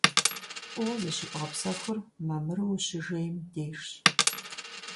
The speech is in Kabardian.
ФӀыуэ зыщыбгъэпсэхур мамыру ущыжейм дежщ.